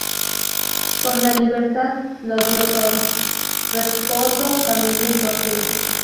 Por la libertad, lo dio todo: reposo, familia y fortuna.